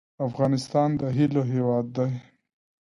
افغانستان د هیلو هیواد دی